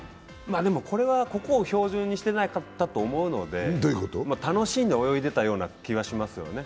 でもこれはここを照準にしていなかっと思うので楽しんで泳いでいたような気がしますよね。